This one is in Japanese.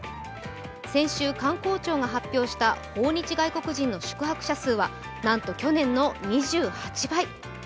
先週、観光庁が発表した訪日外国人の宿泊者数はなんと去年の２８倍。